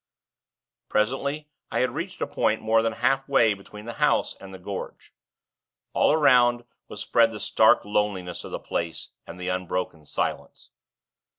Presently, I had reached a point more than halfway between the House and the gorge. All around was spread the stark loneliness of the place, and the unbroken silence.